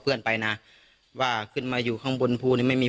เพื่อนไปนะว่าขึ้นมาอยู่ข้างบนภูนี่ไม่มี